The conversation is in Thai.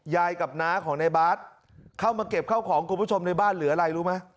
ยายกับน้าของในบาทเข้ามาเก็บข้าวของคุณผู้ชมในบ้านเหลืออะไรรู้ไหม